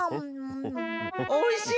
おいしい？